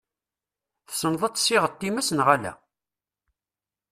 Tessneḍ ad tessiɣeḍ times neɣ ala?